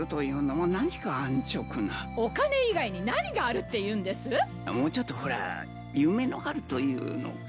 もうちょっとほら夢のあるというのか。